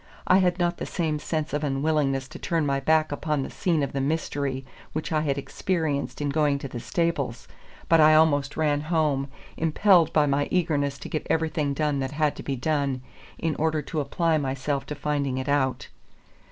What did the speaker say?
I had not the same sense of unwillingness to turn my back upon the scene of the mystery which I had experienced in going to the stables; but I almost ran home, impelled by eagerness to get everything done that had to be done, in order to apply myself to finding it out.